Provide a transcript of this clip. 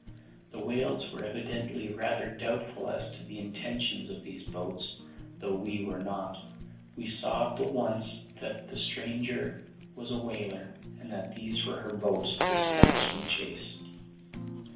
The whales were evidently rather doubtful as to the intentions of these boats, though we were not. We saw at once that the stranger was a whaler, and that these were her boats despatched in chase.